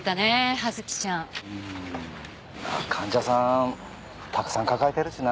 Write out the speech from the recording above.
まあ患者さんたくさん抱えてるしな。